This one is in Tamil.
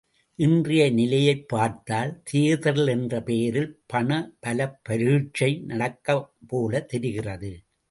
இன்றைய நிலையைப் பார்த்தால் தேர்தல் என்ற பெயரில் பணபலப் பரீட்சை நடக்கும்போலத் தெரிகிறது.